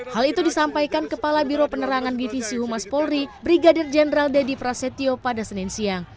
hal itu disampaikan kepala biro penerangan divisi humas polri brigadir jenderal deddy prasetyo pada senin siang